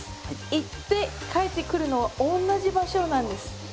行って帰ってくるのは同じ場所なんです。